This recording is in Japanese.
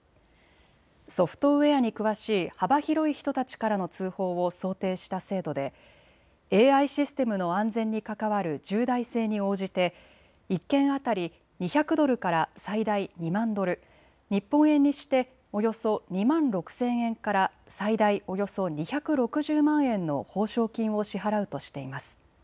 ソフトウエアに詳しい幅広い人たちからの通報を想定した制度でＡＩシステムの安全に関わる重大性に応じて１件当たり２００ドルから最大２万ドル、日本円にしておよそ２万６０００円から最大およそ２６０万円の報奨金を支払うとしています。